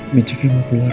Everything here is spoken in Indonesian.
mucuknya mau keluar